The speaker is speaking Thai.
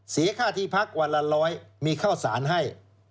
เสียค่าที่พักวันละร้อยมีข้าวสารให้